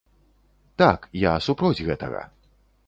Так, я супроць гэтага.